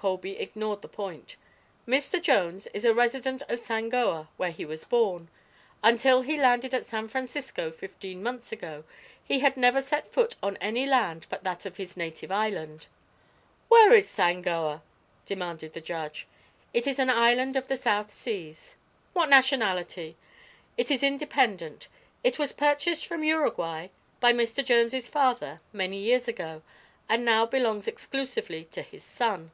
Colby ignored the point. "Mr. Jones is a resident of Sangoa, where he was born. Until he landed at San Francisco, fifteen months ago, he had never set foot on any land but that of his native island." "Where is Sangoa?" demanded the judge. "It is an island of the South Seas." "What nationality?" "It is independent. It was purchased from Uruguay by Mr. Jones' father many years ago, and now belongs exclusively to his son."